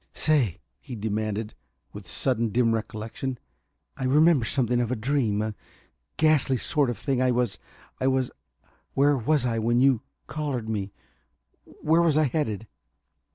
"Say," he demanded, with sudden, dim recollection. "I remember something of a dream a ghastly sort of thing. I was ... I was ... where was I when you collared me? Where was I headed?"